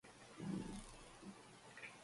Una de sus hijas, Manuela Warnes, casó con el Gral.